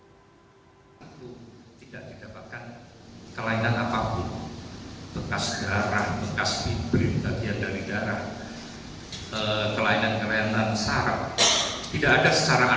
tidak didapatkan kelainan apapun bekas garah bekas bibrim bagian dari garah kelainan kelainan saham